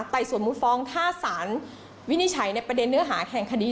สมมุติฟ้องถ้าสารวินิจฉัยในประเด็นเนื้อหาแห่งคดี